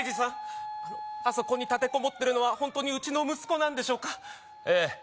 あのあそこに立て籠もってるのは本当にうちの息子なんでしょうかええ